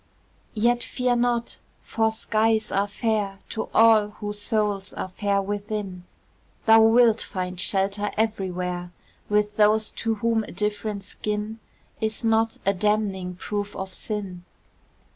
Yet fear not! for skies are fair To all whose souls are fair within; Thou wilt find shelter everywhere With those to whom a different skin Is not a damning proof of sin.